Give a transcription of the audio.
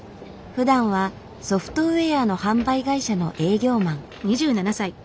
ふだんはソフトウェアの販売会社の営業マン。